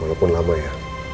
walaupun lama ya